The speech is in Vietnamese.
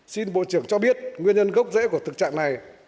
xin bộ trưởng cho biết nguyên nhân gốc rễ của thực trạng này